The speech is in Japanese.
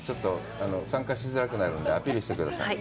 そこ、自分で参加しないとしづらくなるので、アピールしてください。